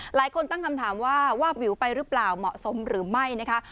หลายคนตั้งคำถามว่าวาบวิวไปหรือเปล่าเหมาะสมหรือไม่นะคะ